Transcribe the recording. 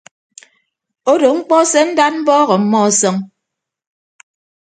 Odo mkpọ se ndad mbọọk ọmmọ ọsọñ.